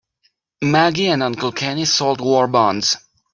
Maggie and Uncle Kenny sold war bonds.